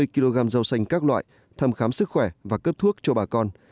hai mươi kg rau xanh các loại thăm khám sức khỏe và cấp thuốc cho bà con